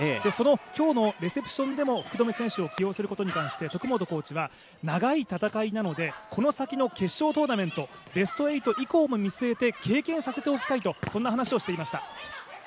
今日のレセプションでも、福留選手を起用することに対して徳元コーチは、長い戦いなのでこの先の決勝トーナメントベスト８以降も見据えて経験させていきたいと話していました。